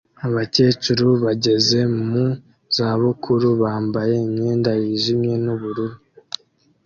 Abakecuru bageze mu zabukuru bambaye imyenda yijimye n'ubururu